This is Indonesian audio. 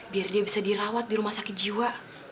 biar dia bisa dirawat di rumah sakit jiwa